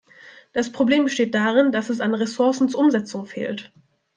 Das Problem besteht darin, dass es an Ressourcen zur Umsetzung fehlt.